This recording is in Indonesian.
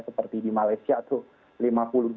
seperti di malaysia tuh